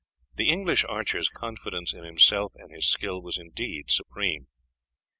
The English archer's confidence in himself and his skill was indeed supreme.